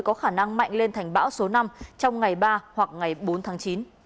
có khả năng mạnh lên thành bão số năm trong ngày ba hoặc ngày bốn tháng chín